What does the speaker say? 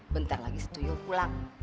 bentar lagi setuyul pulang